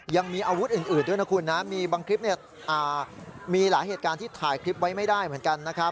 ยังมีอาวุธอื่นด้วยนะคุณนะมีบางคลิปมีหลายเหตุการณ์ที่ถ่ายคลิปไว้ไม่ได้เหมือนกันนะครับ